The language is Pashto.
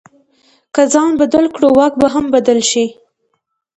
که ځان بدل کړو، واک به هم بدل شي.